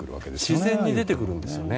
自然に出てくるんですね。